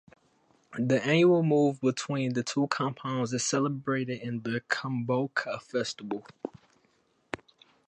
The annual move between the two compounds is celebrated in the Kuomboka festival.